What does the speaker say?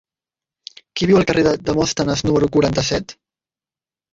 Qui viu al carrer de Demòstenes número quaranta-set?